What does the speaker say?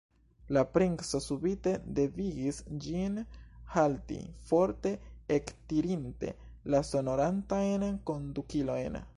La princo subite devigis ĝin halti, forte ektirinte la sonorantajn kondukilojn.